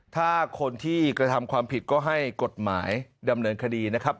ถ้าคนที่กระทำความผิดก็ให้กฎหมายดำเนินคดีนะครับ